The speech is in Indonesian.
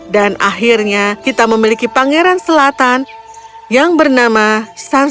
dan akhirnya kita memiliki pangeran selatan yang bernama sunshine karena hatinya yang hangat